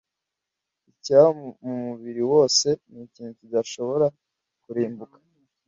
ikiba mu mubiri wose ni ikintu kidashobora kurimbuka